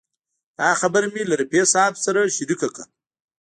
دا خبره مې له رفیع صاحب شریکه کړه.